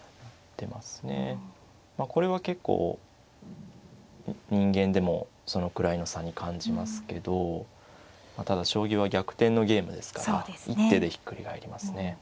まあこれは結構人間でもそのくらいの差に感じますけどただ将棋は逆転のゲームですから一手でひっくり返りますね。